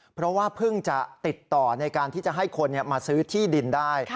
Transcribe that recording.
เพราะว่าเพิ่งจะติดต่อในการที่จะให้คนมาซื้อที่ดินได้